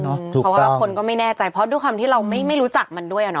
เพราะว่าคนก็ไม่แน่ใจเพราะด้วยความที่เราไม่รู้จักมันด้วย